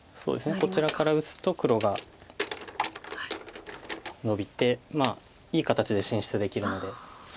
こちらから打つと黒がノビていい形で進出できるので。